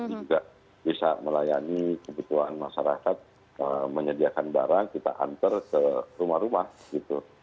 ini juga bisa melayani kebutuhan masyarakat menyediakan barang kita antar ke rumah rumah gitu